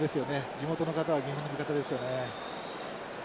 地元の方は日本の味方ですよね。